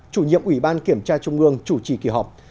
chủ nhiệm ủy ban kiểm tra trung ương chủ trì kỳ họp